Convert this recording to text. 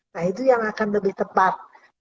nah itu yang akan lebih tepat